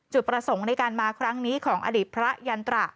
ประสงค์ในการมาครั้งนี้ของอดีตพระยันตระ